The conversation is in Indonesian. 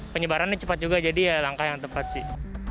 penyebarannya cepat juga jadi ya langkah yang tepat sih